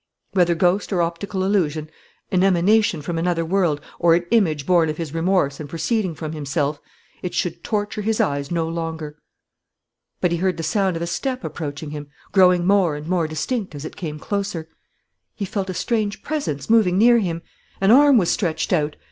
Whether ghost or optical illusion, an emanation from another world, or an image born of his remorse and proceeding from himself, it should torture his eyes no longer. But he heard the sound of a step approaching him, growing more and more distinct as it came closer! He felt a strange presence moving near him! An arm was stretched out!